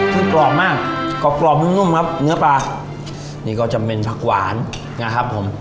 คือกรอบมากกรอบกรอบนุ่มครับเนื้อปลานี่ก็จะเป็นผักหวานนะครับผม